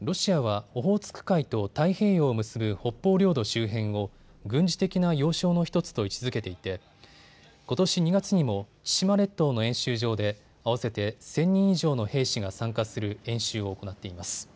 ロシアはオホーツク海と太平洋を結ぶ北方領土周辺を軍事的な要衝の１つと位置づけていてことし２月にも千島列島の演習場で合わせて１０００人以上の兵士が参加する演習を行っています。